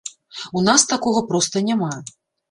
У нас такога проста няма.